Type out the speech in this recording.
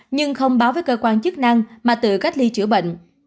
nhưng không báo với cơ quan chức năng mà tự cách ly chữa bệnh